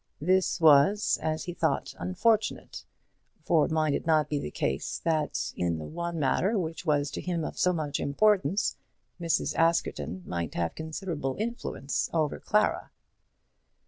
This was, as he thought, unfortunate; for might it not be the case, that in the one matter which was to him of so much importance, Mrs. Askerton might have considerable influence over Clara?